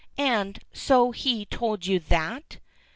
And so he told you that?"